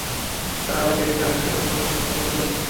যারা আমাকে দেখে হাসে সেরকম ভদ্রলোকদের আমি পছন্দ করি না।